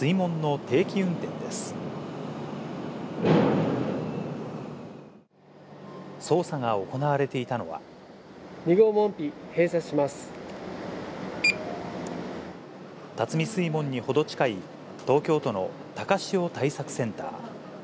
辰巳水門に程近い東京都の高潮対策センター。